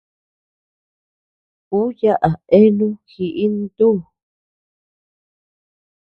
Ú yaʼa eanu jiʼi ntú.